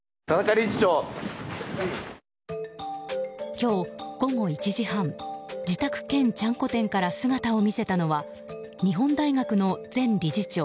今日午後１時半自宅兼ちゃんこ店から姿を見せたのは日本大学の前理事長